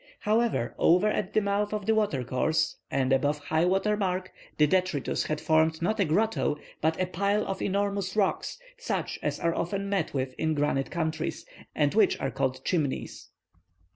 However, over at the mouth of the watercourse, and above high water mark, the detritus had formed, not a grotto, but a pile of enormous rocks, such as are often met with in granitic countries, and which are called Chimneys.